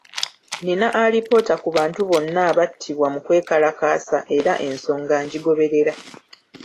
Nina alipoota ku bantu bonna abattibwa mu kwekalakaasa era ensonga ngigoberera.